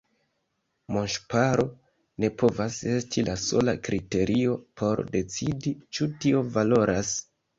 Monŝparo ne povas esti la sola kriterio por decidi, ĉu tio valoras.